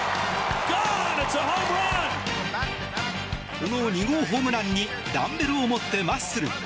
この２号ホームランにダンベルを持ってマッスル。